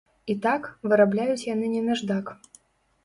І так, вырабляюць яны не наждак.